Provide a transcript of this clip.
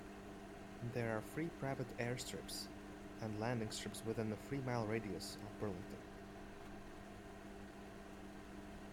There are three private airstrips and landing strips within a three-mile radius of Burlington.